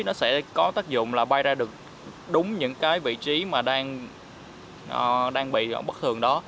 nó sẽ có tác dụng là bay ra được đúng những cái vị trí mà đang bị bất thường đó